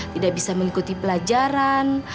tidak bisa mengikuti pelajaran